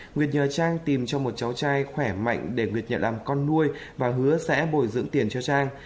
nguyệt nhờ trang tìm cho một cháu trai khỏe mạnh để nguyệt nhờ làm con nuôi và hứa sẽ bồi dưỡng tiền cho trang